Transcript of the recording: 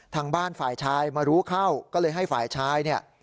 ทางบ้านฝ่ายชายมารู้เข้าก็เลยให้ฝ่ายชายเนี่ย